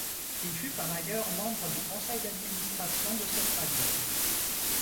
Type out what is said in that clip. Il fut, par ailleurs, membre du conseil d'administration de cette radio.